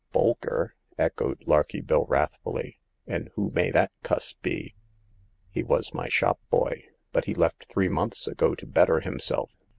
''Bolker?" echoed Larky Bill, wrathfuUy. " And who may that cuss be ?"" He was my shop boy ; but he left three months ago to better himself.